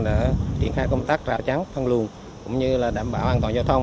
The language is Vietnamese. đã triển khai công tác rào chắn thăng lùn cũng như là đảm bảo an toàn giao thông